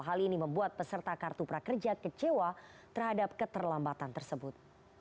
hal ini membuat peserta kartu prakerja kecewa terhadap keterlambatan tersebut